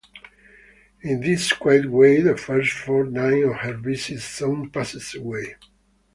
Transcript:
In this quiet way the first fortnight of her visit soon passed away.